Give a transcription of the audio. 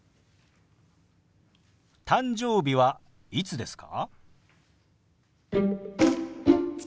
「誕生日はいつですか？」。